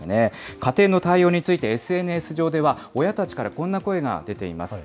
家庭の対応について、ＳＮＳ上では親たちからこんな声が出ています。